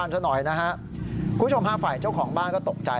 คุณผู้ชมฮะฝ่ายเจ้าของบ้านก็ตกใจ